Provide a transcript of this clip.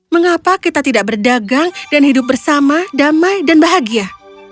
mengapa kita tidak berdagang dan hidup bersama damai dan bahagia